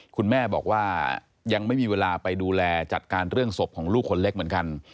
คุณแม่บอกว่ายังไม่มีเวลาไปดูแลจัดการเรื่องศพของลูกคนเล็กเหมือนกัน